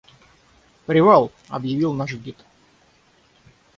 «Привал!» — объявил наш гид.